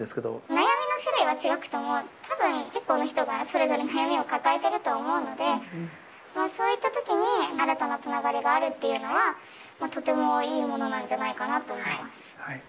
悩みの種類はちがくてもたぶん、結構な人がそれぞれ悩みを抱えていると思うので、そういったときに新たなつながりがあるというのは、とてもいいものなんじゃないかと思います。